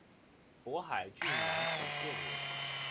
勃海郡南皮县人。